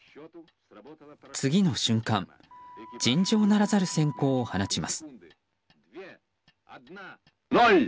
次の瞬間、尋常ならざる閃光を放ちます。